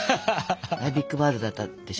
あれビッグバードだったでしょ？